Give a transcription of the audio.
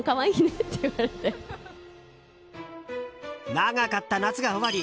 長かった夏が終わり